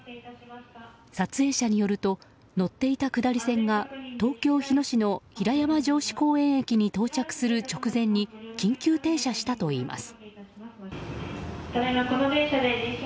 撮影者によると乗っていた下り線が東京・日野市の平山城址公園駅に到着する直前に緊急停車したといいます。